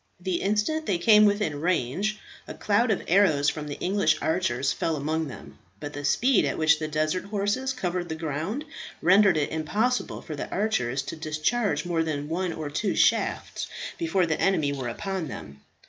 The instant they came within range, a cloud of arrows from the English archers fell among them, but the speed at which the desert horses covered the ground rendered it impossible for the archers to discharge more than one or two shafts before the enemy were upon them.